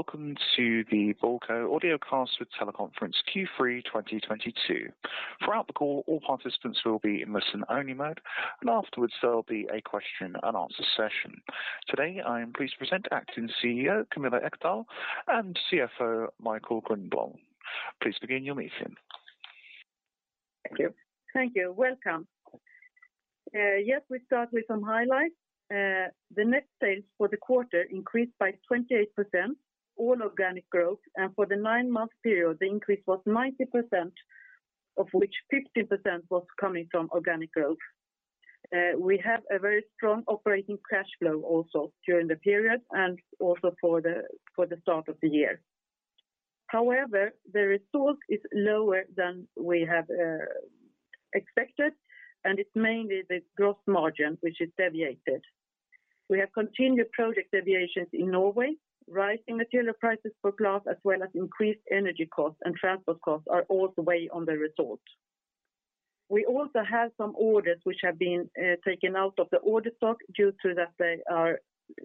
Welcome to the Balco Audiocast with Teleconference Q3 2022. Throughout the call, all participants will be in listen-only mode, and afterwards, there will be a question and answer session. Today, I am pleased to present Acting CEO Camilla Ekdahl and CFO Michael Grindborn. Please begin your meeting. Thank you. Welcome. Yes, we start with some highlights. The net sales for the quarter increased by 28%, all organic growth. For the nine-month period, the increase was 90%, of which 50% was coming from organic growth. We have a very strong operating cash flow also during the period and also for the start of the year. However, the result is lower than we have expected, and it's mainly the gross margin which is deviated. We have continued project deviations in Norway. Rising material prices for glass, as well as increased energy costs and transport costs are also weighing on the result. We also have some orders which have been taken out of the order backlog due to that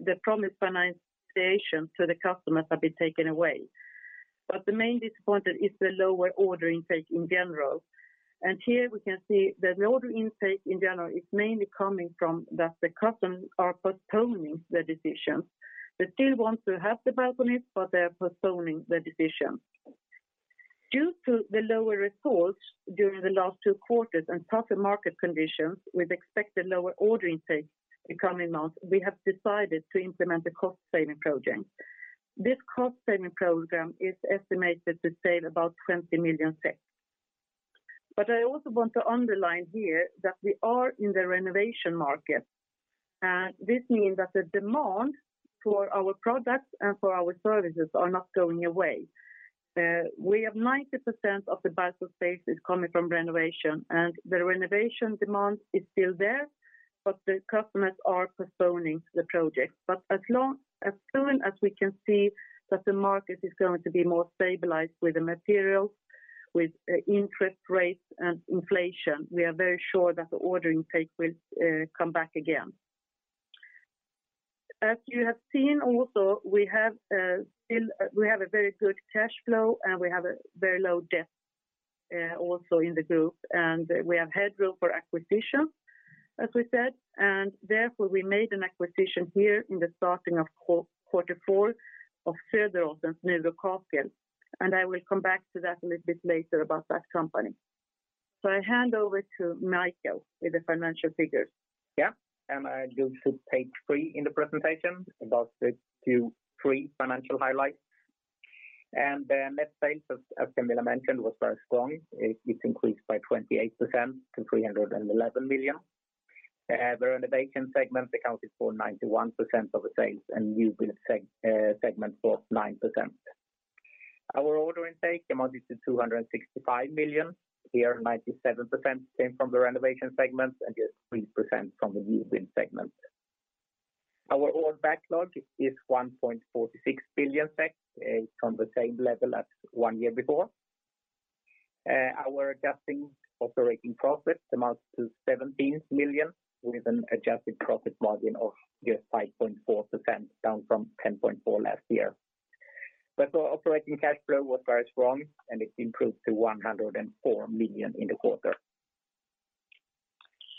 the promised finalization to the customers have been taken away. The main disappointment is the lower order intake in general. Here we can see that the order intake in general is mainly coming from that the customers are postponing their decisions. They still want to have the balconies, but they're postponing their decision. Due to the lower results during the last two quarters and tougher market conditions with expected lower order intake in coming months, we have decided to implement a cost-saving program. This cost-saving program is estimated to save about 20 million. I also want to underline here that we are in the renovation market, and this means that the demand for our products and for our services are not going away. We have 90% of the balcony space is coming from renovation, and the renovation demand is still there, but the customers are postponing the project. As soon as we can see that the market is going to be more stabilized with the materials, with interest rates and inflation, we are very sure that the order intake will come back again. As you have seen also, we have a very good cash flow, and we have a very low debt also in the group. We have headroom for acquisition, as we said, and therefore we made an acquisition here in the starting of quarter four of Söderåsens Mur & Kakel. I will come back to that a little bit later about that company. I hand over to Michael with the financial figures. You should take three in the presentation, about the two, three financial highlights. The net sales, as Camilla mentioned, was very strong. It increased by 28% to 311 million. The renovation segment accounted for 91% of the sales, and new build segment for 9%. Our order intake amounted to 265 million. Here, 97% came from the renovation segment and just 3% from the new build segment. Our order backlog is 1.46 billion, from the same level as one year before. Our adjusted operating profit amounts to 17 million, with an adjusted profit margin of just 5.4%, down from 10.4% last year. Our operating cash flow was very strong, and it improved to 104 million in the quarter.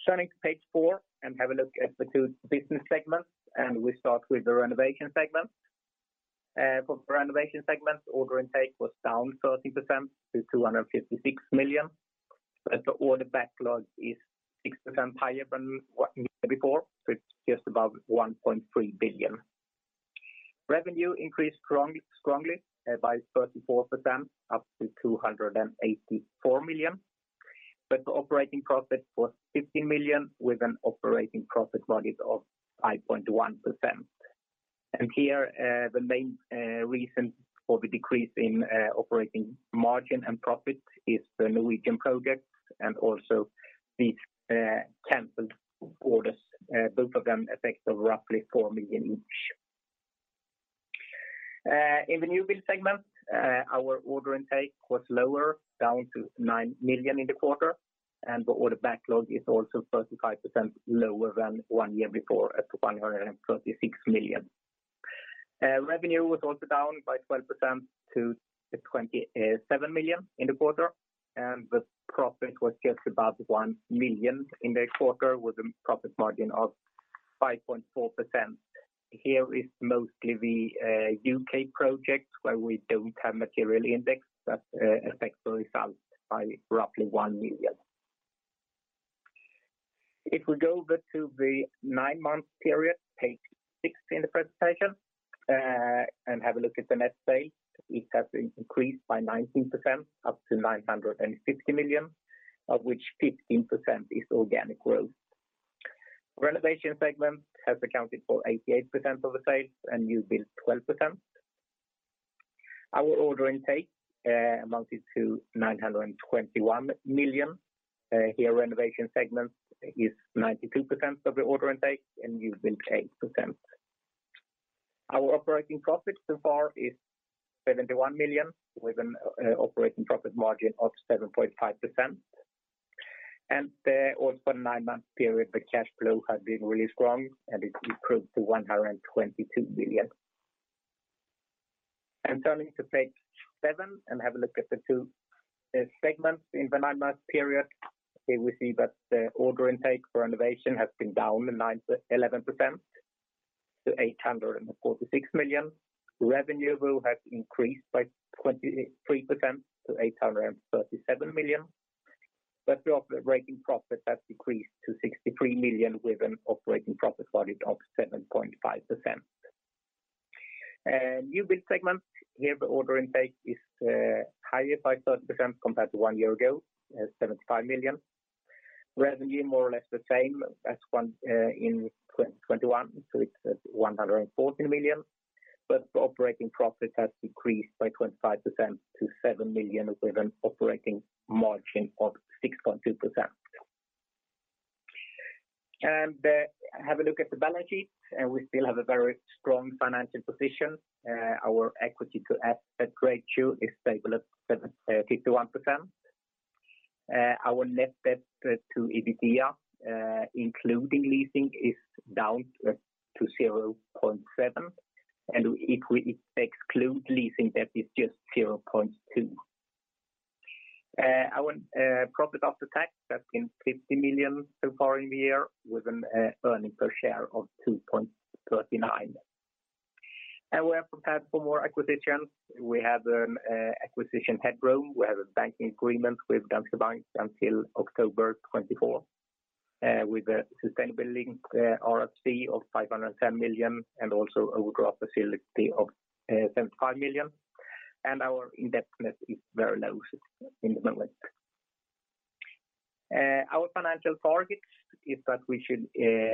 Turning to page four and have a look at the two business segments, and we start with the renovation segment. For renovation segment, order intake was down 30% to 256 million. The order backlog is 6% higher than what came before, so it's just above 1.3 billion. Revenue increased strongly by 34% up to 284 million. The operating profit was 50 million, with an operating profit margin of 5.1%. Here, the main reason for the decrease in operating margin and profit is the Norwegian projects and also the canceled orders. Both of them affect roughly 4 million each. In the new build segment, our order intake was lower, down to 9 million in the quarter, and the order backlog is also 35% lower than one year before at 136 million. Revenue was also down by 12% to 27 million in the quarter, and the profit was just above 1 million in the quarter with a profit margin of 5.4%. Here is mostly the U.K. project where we don't have material index. That affects the result by roughly 1 million. If we go over to the nine-month period, page six in the presentation, and have a look at the net sales, it has been increased by 19% up to 950 million, of which 15% is organic growth. Renovation segment has accounted for 88% of the sales and new build 12%. Our order intake amounted to 921 million. Here renovation segment is 92% of the order intake and new build 8%. Our operating profit so far is 71 million, with an operating profit margin of 7.5%. In the nine-month period, the cash flow has been really strong, and it improved to 122 million. Turning to page seven and have a look at the two segments in the nine-month period. Here we see that the order intake for renovation has been down 11% to 846 million. Revenue though has increased by 23% to 837 million. Operating profit has decreased to 63 million with an operating profit margin of 7.5%. New build segment, here the order intake is higher by 30% compared to one year ago, 75 million. Revenue, more or less the same as one in 2021, so it's 114 million. Operating profit has decreased by 25% to 7 million with an operating margin of 6.2%. Have a look at the balance sheet. We still have a very strong financial position. Our equity to asset ratio is stable at 71%. Our net debt to EBITDA, including leasing, is down to 0.7%, and if we exclude leasing debt, it's just 0.2%. Our profit after tax has been 50 million so far in the year with an earnings per share of 2.39%. We are prepared for more acquisitions. We have acquisition headroom. We have a banking agreement with DNB Bank ASA until October 2024 with a sustainability RCF of 510 million, and also overdraft facility of 75 million. Our indebtedness is very low at the moment. Our financial targets is that we should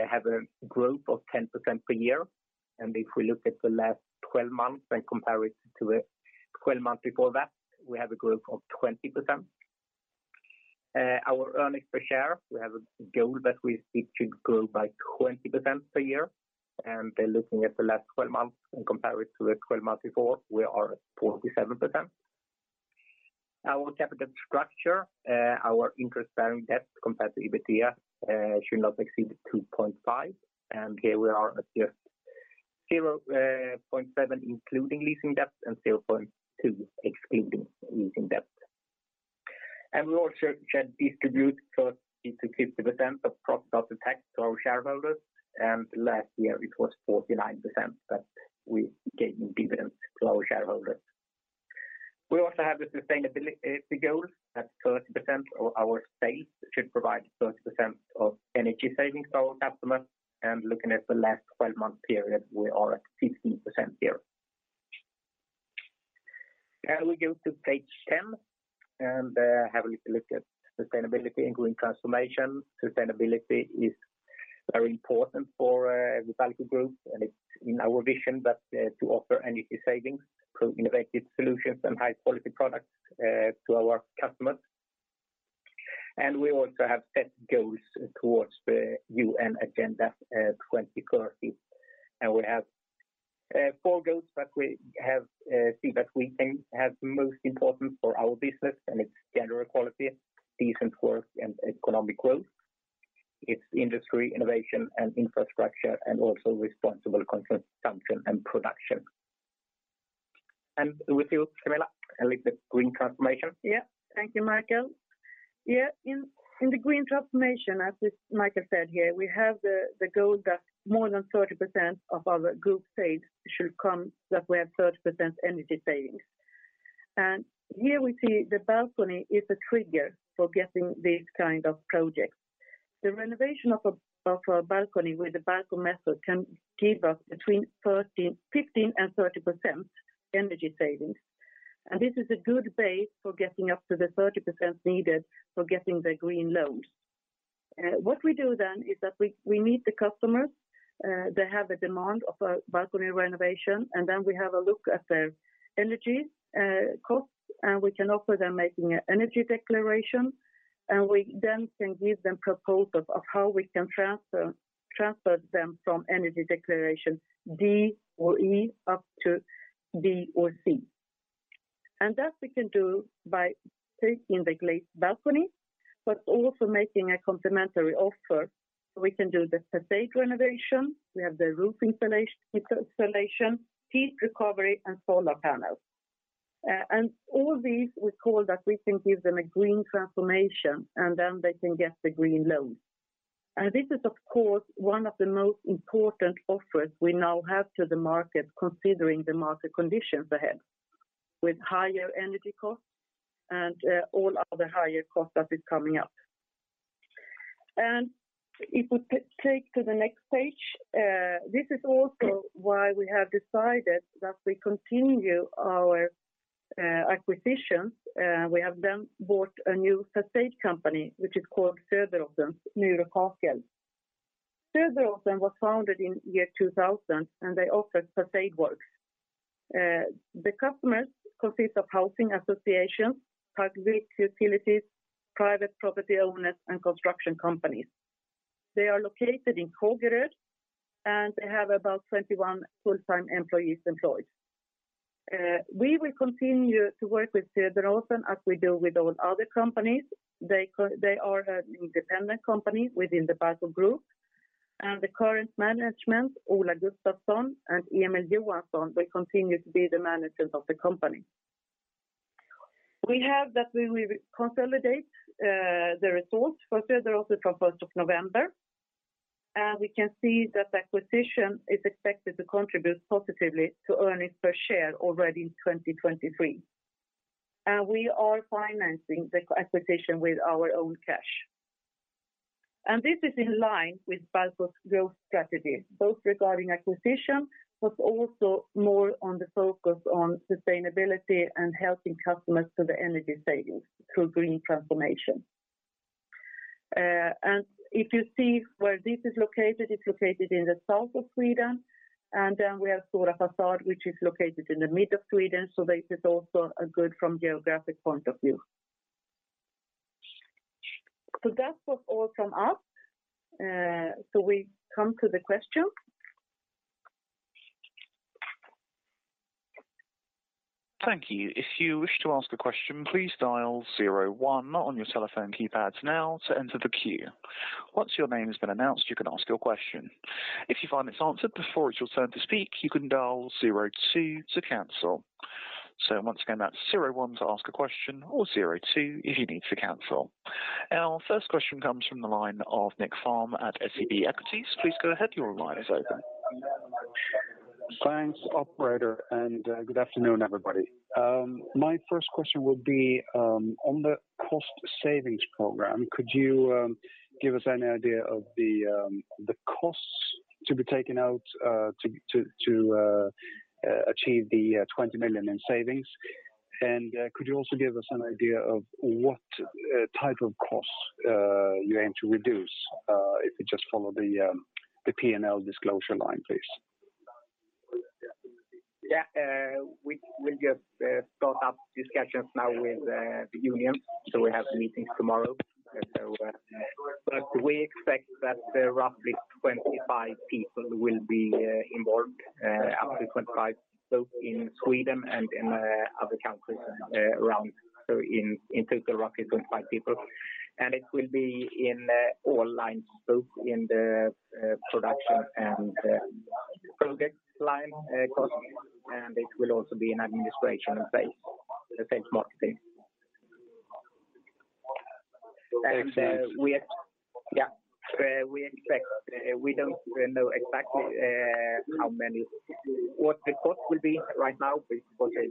have a growth of 10% per year. If we look at the last twelve months and compare it to the twelve months before that, we have a growth of 20%. Our earnings per share, we have a goal that we seek to grow by 20% per year. Looking at the last twelve months and compare it to the twelve months before, we are at 47%. Our capital structure, our interest bearing debt compared to EBITDA, should not exceed 2.5%, and here we are at just 0.7%, including leasing debt and 0.2% excluding leasing debt. We also should distribute 30%-50% of profit after tax to our shareholders, and last year it was 49% that we gave in dividends to our shareholders. We also have the sustainability goals. That's 30% of our sales should provide 30% of energy savings to our customers. Looking at the last twelve-month period, we are at 15% here. We go to page 10 and have a little look at sustainability and green transformation. Sustainability is very important for the Balco Group, and it's in our vision that to offer energy savings through innovative solutions and high-quality products to our customers. We also have set goals towards the UN Agenda 2030. We have four goals that we think are the most important for our business, and it's gender equality, decent work and economic growth. It's industry, innovation and infrastructure, and also responsible consumption and production. With you, Camilla, a little bit Green Transformation. Yeah. Thank you, Michael. Yeah, in the Green Transformation, as Michael said here, we have the goal that more than 30% of our group sales should come that we have 30% energy savings. Here we see the balcony is a trigger for getting these kind of projects. The renovation of a balcony with the Balco method can give us between 15%-30% energy savings. This is a good base for getting up to the 30% needed for getting the green loans. What we do then is that we meet the customers, they have a demand of a balcony renovation, and then we have a look at their energy costs, and we can offer them making an energy declaration, and we then can give them proposals of how we can transfer them from energy declaration D or E up to B or C. That we can do by taking the glazed balcony, but also making a complementary offer. We can do the façade renovation. We have the roof installation, heat recovery and solar panels. All these we call that we can give them a green transformation and then they can get the green loans. This is of course one of the most important offers we now have to the market considering the market conditions ahead with higher energy costs and all other higher costs that is coming up. If we take to the next page, this is also why we have decided that we continue our acquisitions. We have then bought a new façade company, which is called Söderåsens Mur & Kakel. Söderåsen was founded in 2000, and they offer façade works. The customers consist of housing associations, public utilities, private property owners and construction companies. They are located in Kågeröd, and they have about 21 full-time employees employed. We will continue to work with Söderåsen as we do with all other companies. They are an independent company within the Balco Group. The current management, Ola Gustafsson and Emil Johansson, they continue to be the managers of the company. We have that we will consolidate the results for Söderåsen from first of November. We can see that the acquisition is expected to contribute positively to earnings per share already in 2023. We are financing the acquisition with our own cash. This is in line with Balco's growth strategy, both regarding acquisition, but also more on the focus on sustainability and helping customers to the energy savings through green transformation. If you see where this is located, it's located in the south of Sweden, and then we have Stora Fasad, which is located in the mid of Sweden. This is also a good fit from a geographic point of view. That was all from us. We come to the questions. Thank you. If you wish to ask a question, please dial zero one on your telephone keypads now to enter the queue. Once your name has been announced, you can ask your question. If you find it's answered before it's your turn to speak, you can dial zero two to cancel. Once again, that's zero one to ask a question or zero two if you need to cancel. Our first question comes from the line of Niklas Fhärm at SEB Equities. Please go ahead, your line is open. Thanks, operator, and good afternoon, everybody. My first question would be on the cost savings program. Could you give us any idea of the costs to be taken out to achieve the 20 million in savings? Could you also give us an idea of what type of costs you aim to reduce? If you just follow the P&L disclosure line, please. Yeah, we just start up discussions now with the union, so we have meetings tomorrow. We expect that roughly 25 people will be involved, up to 25, both in Sweden and in other countries around. In total, roughly 25 people. It will be in all lines, both in the production and project line costs. It will also be in administration space, sales, marketing. Makes sense. We expect, we don't know exactly how many. What the cost will be right now, we're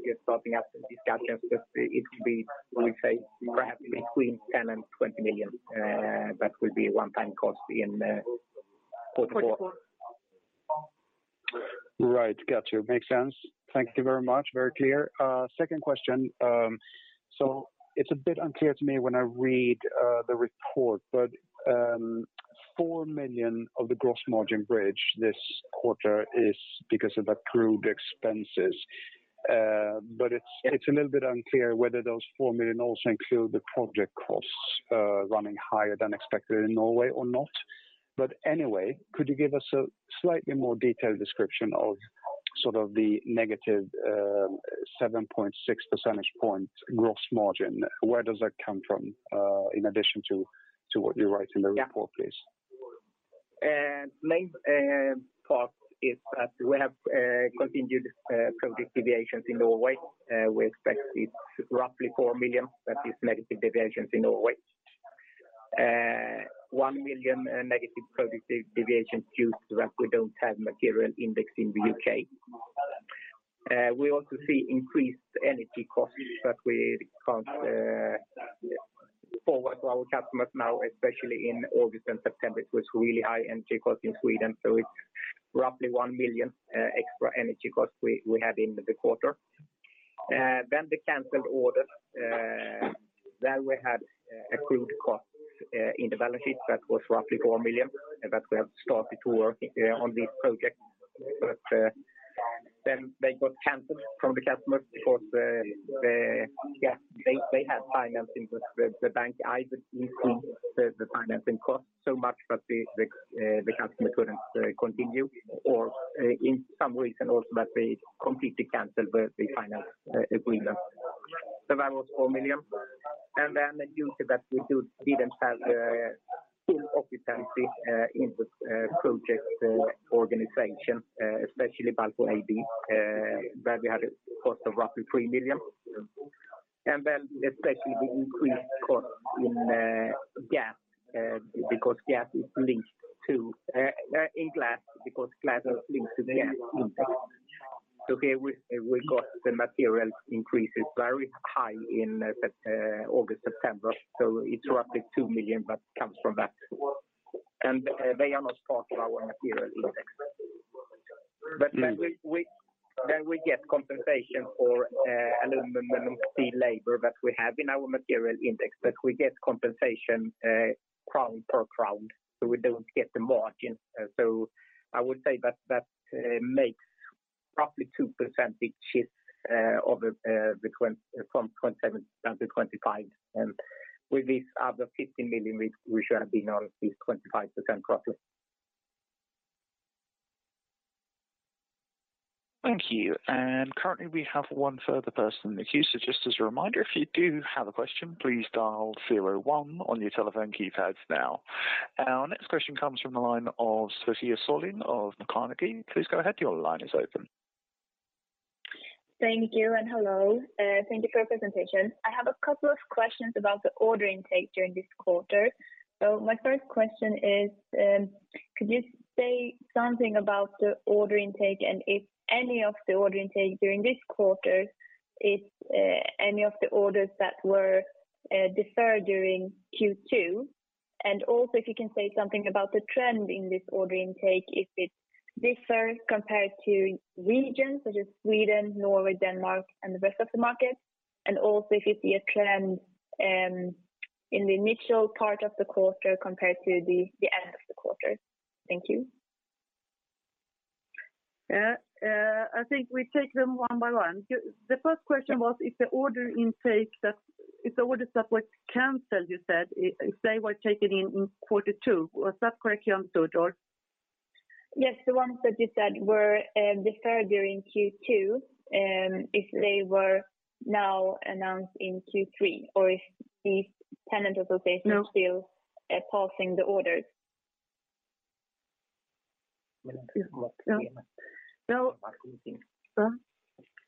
just starting up the discussions, but it will be, we say perhaps between 10 million and 20 million. That will be a one-time cost in 2024. Right. Got you. Makes sense. Thank you very much. Very clear. Second question. It's a bit unclear to me when I read the report, but 4 million of the gross margin bridge this quarter is because of accrued expenses. It's a little bit unclear whether those 4 million also include the project costs running higher than expected in Norway or not. Anyway, could you give us a slightly more detailed description of the negative 7.6 percentage point gross margin? Where does that come from in addition to what you write in the report, please? Yeah. Main cost is that we have continued product deviations in Norway. We expect it's roughly 4 million that is negative deviations in Norway. 1 million negative productive deviations due to that we don't have material index in the U.K. We also see increased energy costs that we can't forward to our customers now, especially in August and September. It was really high energy costs in Sweden, so it's roughly 1 million extra energy costs we have in the quarter. Canceled orders, there we had accrued costs in the balance sheet that was roughly 4 million, that we have started to work on these projects. They got canceled from the customers because they had financing with the bank, either increased the financing costs so much that the customer couldn't continue or for some reason also that they completely canceled the finance agreement. That was 4 million. Due to that, we didn't have full occupancy in the project organization, especially Balco AB, where we had a cost of roughly 3 million. Especially the increased costs in gas, because gas is linked to glass, because glass is linked to gas index. We got the material increases very high in August, September. It's roughly 2 million that comes from that. They are not part of our material index. Mm. We get compensation for aluminum and steel labor that we have in our material index. We get compensation krona per krona, so we don't get the margin. I would say that makes roughly 2 percentage point shift from 27 down to 25. With this other 15 million we should have been on this 25% profit. Thank you. Currently we have one further person in the queue. Just as a reminder, if you do have a question please dial zero one on your telephone keypads now. Our next question comes from the line of Sofia Sörling of Carnegie. Please go ahead. Your line is open. Thank you and hello. Thank you for your presentation. I have a couple of questions about the order intake during this quarter. My first question is, could you say something about the order intake and if any of the order intake during this quarter is any of the orders that were deferred during Q2? Also if you can say something about the trend in this order intake, if it differs compared to regions such as Sweden, Norway, Denmark and the rest of the market. Also if you see a trend in the initial part of the quarter compared to the end of the quarter. Thank you. I think we take them one by one. The first question was if the orders that were canceled, you said, if they were taken in quarter two. Was that correctly understood or? Yes. The ones that you said were deferred during Q2, if they were now announced in Q3 or if these tenant associations- No. ...are still pausing the orders? No. No. Huh?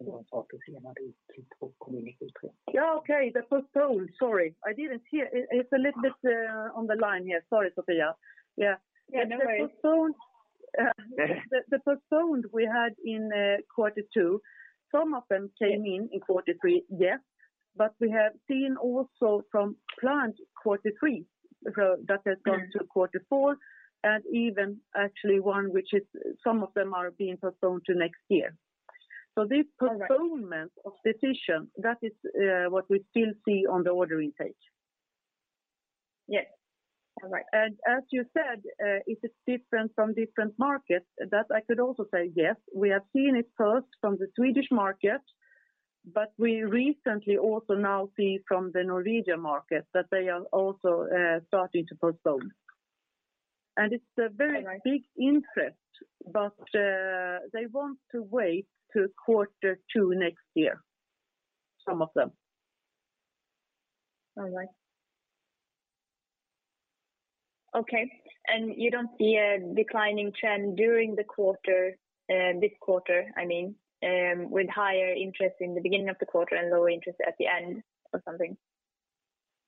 Yeah. Okay. Sorry, I didn't hear. It's a little bit on the line here. Sorry, Sofia. Yeah. Yeah. No worries. The postponed we had in quarter two, some of them came in in quarter three, yes. We have seen also from planned quarter three, that has gone to quarter four and even actually one which is some of them are being postponed to next year. All right. This postponement of decisions, that is, what we still see on the order intake. Yes. All right. As you said, if it's different from different markets, that I could also say yes, we have seen it first from the Swedish market, but we recently also now see from the Norwegian market that they are also starting to postpone. All right. It's a very big interest, but they want to wait till quarter two next year, some of them. All right. Okay. You don't see a declining trend during the quarter, this quarter, I mean, with higher interest in the beginning of the quarter and lower interest at the end or something?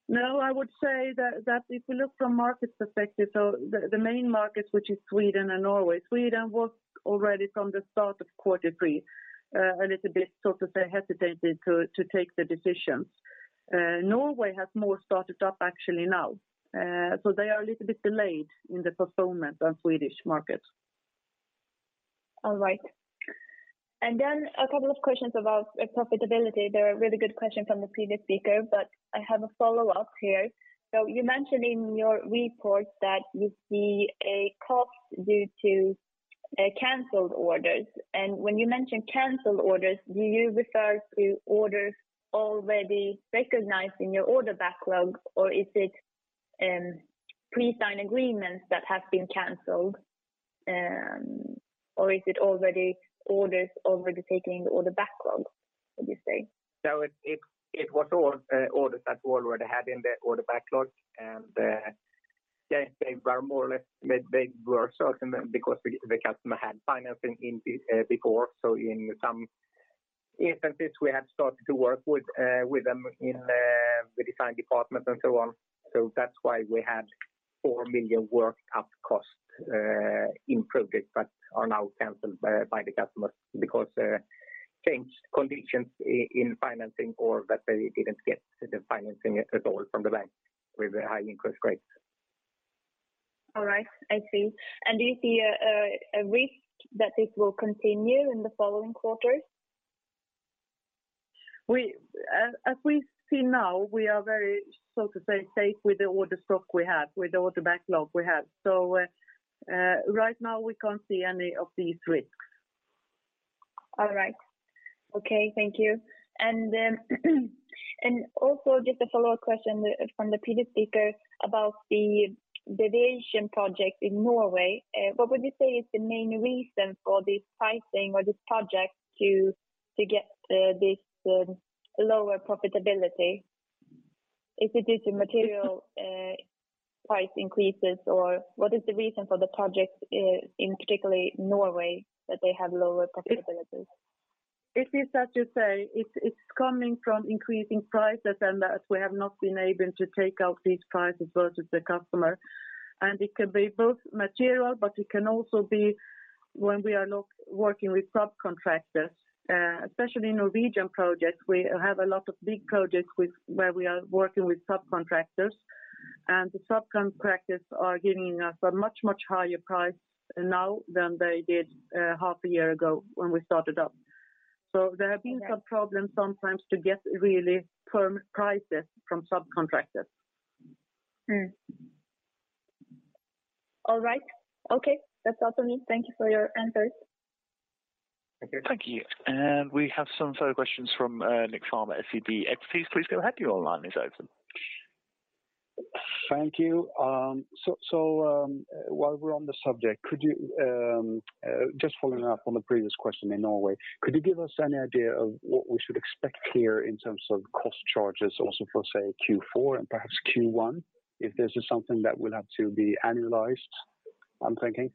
No, I would say that if you look from market perspective, the main markets which is Sweden and Norway. Sweden was already from the start of quarter three, a little bit sort of, say, hesitated to take the decisions. Norway has more started up actually now, so they are a little bit delayed in the postponement on Swedish market. All right. Then a couple of questions about profitability. There are really good questions from the previous speaker, but I have a follow-up here. You mentioned in your report that you see a cost due to canceled orders. When you mention canceled orders, do you refer to orders already recognized in your order backlog or is it pre-signed agreements that have been canceled, or is it orders already in the order backlog, would you say? No, it was our orders that we already had in the order backlog. Yes, they were more or less made it worse also because the customer had financing before. In some instances we had started to work with them in the design department and so on. That's why we had 4 million worked up costs in projects that are now canceled by the customers because changed conditions in financing or that they didn't get the financing at all from the bank with the high interest rates. All right. I see. Do you see a risk that it will continue in the following quarters? As we see now, we are very, so to say, safe with the order stock we have, with the order backlog we have. Right now we can't see any of these risks. All right. Okay. Thank you. Also just a follow-up question from the previous speaker about the variation project in Norway. What would you say is the main reason for this pricing or this project to get this lower profitability? Is it due to material price increases or what is the reason for the projects in particular in Norway that they have lower profitability? It is that to say it's coming from increasing prices and that we have not been able to take out these prices versus the customer. It can be both material, but it can also be when we are working with subcontractors, especially Norwegian projects. We have a lot of big projects where we are working with subcontractors, and the subcontractors are giving us a much, much higher price now than they did, half a year ago when we started up. Okay. There have been some problems sometimes to get really firm prices from subcontractors. All right. Okay. That's all for me. Thank you for your answers. Thank you. Thank you. We have some follow questions from Niklas Fhärm at SEB. Please go ahead. Your line is open. Thank you. While we're on the subject, could you just following up on the previous question in Norway, could you give us any idea of what we should expect here in terms of cost charges also for, say, Q4 and perhaps Q1? If this is something that will have to be annualized, I'm thinking.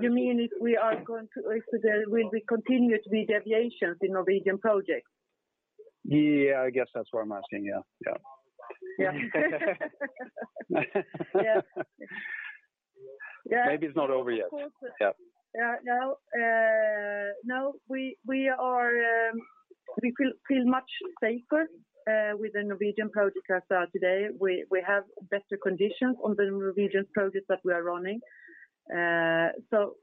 You mean if there will be continued to be deviations in Norwegian projects? Yeah. I guess that's what I'm asking. Yeah. Yeah. Yeah. Maybe it's not over yet. Yeah. We feel much safer with the Norwegian projects as of today. We have better conditions on the Norwegian projects that we are running.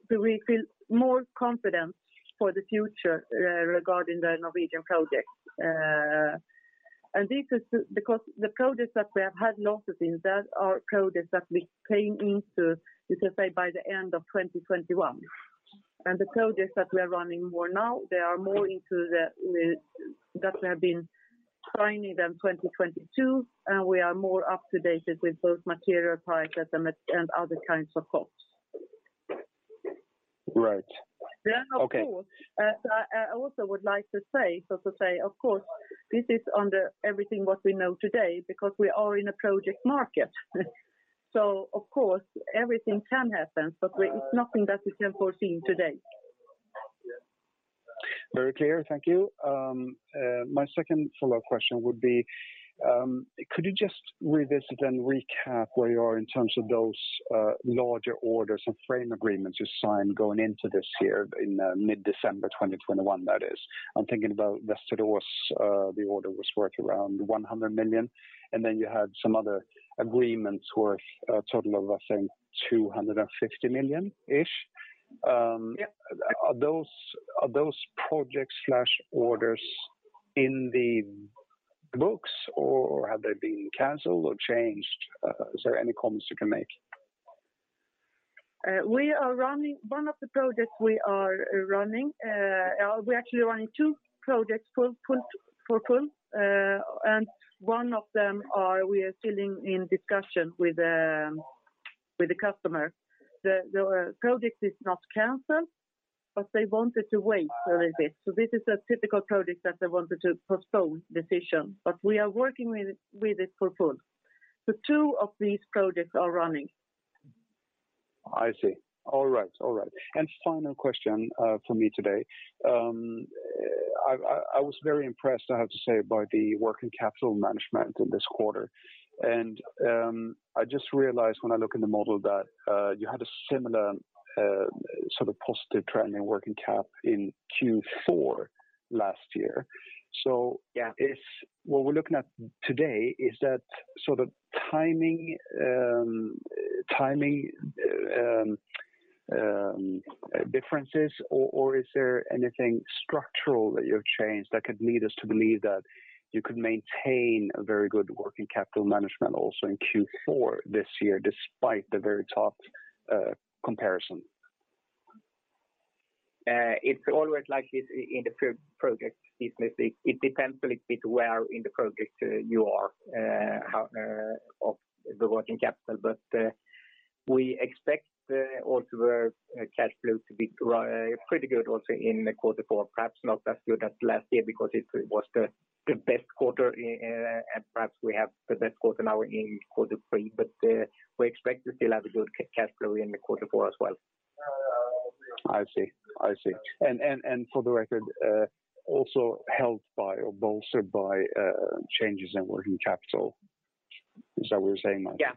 We feel more confidence for the future regarding the Norwegian projects. This is because the projects that we have had losses in that we came into, let's just say, by the end of 2021. The projects that we are running more now, they are more into that we have been signing in 2022, and we are more up-to-date with both material prices and other kinds of costs. Right. Okay. Yeah. Of course. I also would like to say, so to say, of course, this is under everything what we know today because we are in a project market. Of course, everything can happen, but it's nothing that we can foresee today. Very clear. Thank you. My second follow-up question would be, could you just revisit and recap where you are in terms of those, larger orders and frame agreements you signed going into this year in, mid-December 2021, that is. I'm thinking about Västerås, the order was worth around 100 million, and then you had some other agreements worth a total of, I think, 250 million-ish. Yeah. Are those projects/orders in the books or have they been canceled or changed? Is there any comments you can make? One of the projects we are running. We're actually running two projects full. One of them, we are still in discussion with the customer. The project is not canceled, but they wanted to wait a little bit. This is a typical project that they wanted to postpone decision. We are working with it full. The two of these projects are running. I see. All right. Final question from me today. I was very impressed, I have to say, by the working capital management in this quarter. I just realized when I look in the model that you had a similar sort of positive trend in working cap in Q4 last year. Yeah. If what we're looking at today is that sort of timing differences or is there anything structural that you have changed that could lead us to believe that you could maintain a very good working capital management also in Q4 this year, despite the very tough comparison? It's always like it in the project business. It depends a little bit where in the project you are, how much of the working capital. We expect also the cash flow to be pretty good also in quarter four. Perhaps not as good as last year because it was the best quarter and perhaps we have the best quarter now in quarter three. We expect to still have a good cash flow in quarter four as well. I see. For the record, also helped by or bolstered by, changes in working capital. Is that what you're saying now? Yeah.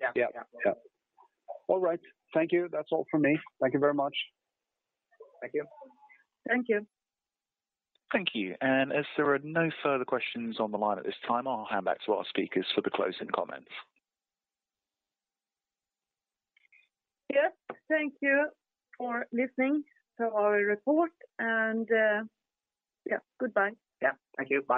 Yeah. Yeah. Yeah. All right. Thank you. That's all from me. Thank you very much. Thank you. Thank you. Thank you. As there are no further questions on the line at this time, I'll hand back to our speakers for the closing comments. Yes. Thank you for listening to our report and, yeah, goodbye. Yeah. Thank you. Bye.